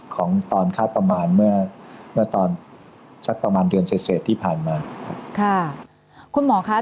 ของตอนคาดประมาณเมื่อตอนสักประมาณเดือนเศษที่ผ่านมา